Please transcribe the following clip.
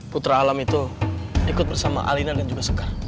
putra alam itu ikut bersama alina dan juga segar